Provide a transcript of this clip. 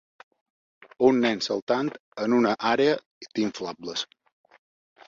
Un nen saltant en una àrea d'inflables.